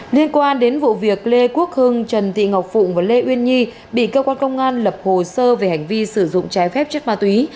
liên quan đến vụ việc lê quốc hưng trần thị ngọc phụng và lê uyên nhi bị cơ quan công an lập hồ sơ về hành vi sử dụng trái phép chất ma túy